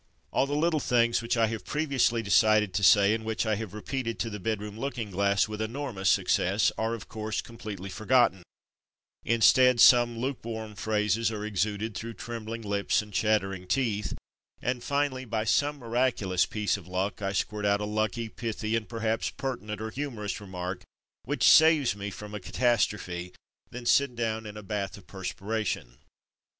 All the little things which I have previously decided to say, and which I have repeated to the bedroom looking glass with enormous suc cess, are, of course, completely forgotten; instead, some lukewarm phrases are exuded through trembling lips and chattering teeth, and finally, by some miraculous piece of luck, I squirt out a lucky, pithy, and perhaps pertinent or humorous remark, which saves me from a catastrophe, then sit down in a bath of perspiration.